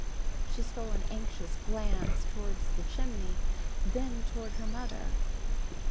She stole an anxious glance towards the chimney, then toward her mother.